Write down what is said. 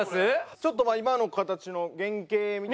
ちょっと今の形の原型みたいなんも最初。